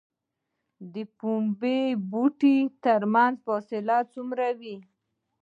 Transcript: د پنبې د بوټو ترمنځ فاصله څومره وي؟